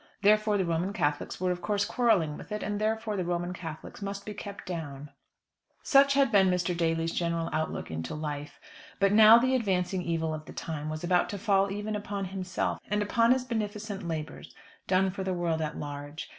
Therefore the Roman Catholics were of course quarrelling with it, and therefore the Roman Catholics must be kept down. Such had been Mr. Daly's general outlook into life. But now the advancing evil of the time was about to fall even upon himself, and upon his beneficent labours, done for the world at large.